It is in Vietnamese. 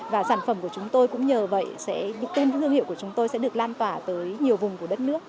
và sản phẩm của chúng tôi cũng nhờ vậy tên thương hiệu của chúng tôi sẽ được lan tỏa tới nhiều vùng của đất nước